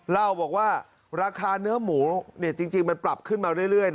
เล่าบอกว่าราคาเนื้อหมูจริงมันปรับขึ้นมาเรื่อย